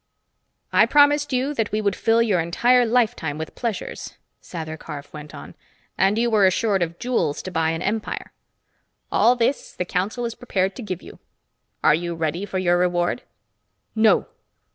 "I promised you that we would fill your entire lifetime with pleasures," Sather Karf went on. "And you were assured of jewels to buy an empire. All this the council is prepared to give you. Are you ready for your reward?" "No!"